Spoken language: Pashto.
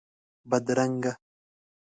بدرنګه